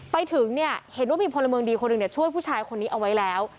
ไปถึงเนี่ยเห็นว่ามีพลเมืองดีคนหนึ่งช่วยผู้ชายคนนี้เอาไว้แล้ว